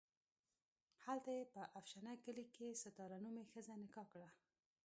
هلته یې په افشنه کلي کې ستاره نومې ښځه نکاح کړه.